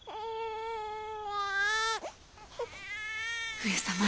上様。